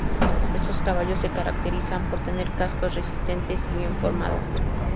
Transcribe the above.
Estos caballos se caracterizan por tener cascos resistentes y bien formados.